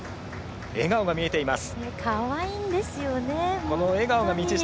笑顔が見えています。